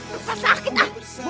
lepas sakit ah